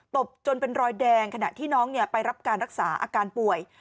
ตบจนเป็นรอยแดงขณะที่น้องไปรับการรักษาอาการป่วย